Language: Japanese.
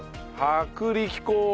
薄力粉を。